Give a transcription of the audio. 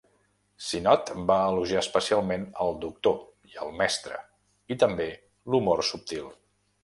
Sinnott va elogiar especialment el Doctor i el Mestre, i també l'"humor subtil".